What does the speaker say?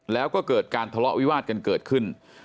แล้วก็เกิดการทะเลาะวิวาสกันเกิดขึ้น